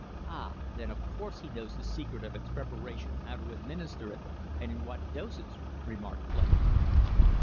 "Ah! Then of course he knows the secret of its preparation, how to administer it, and in what doses," remarked Fletcher.